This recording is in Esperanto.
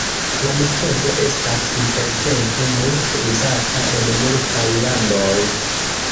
La metodo estas intertempe multe uzata en multaj landoj.